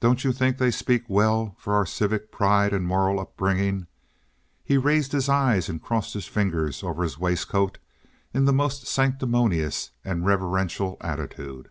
"Don't you think they speak well for our civic pride and moral upbringing?" He raised his eyes and crossed his fingers over his waistcoat in the most sanctimonious and reverential attitude.